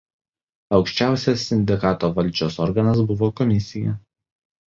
Aukščiausias Sindikato valdžios organas buvo Komisija.